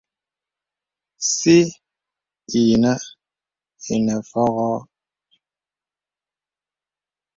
Sì yìnə ìnə fɔ̄gɔ̄.